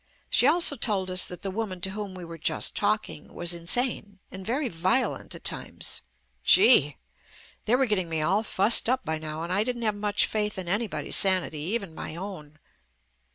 She also told us that the woman to whom we were just talking was insane and very violent at times.. Gee ! They were getting me all fussed up by now and I didn't have much faith in anybody's sanity, even my own.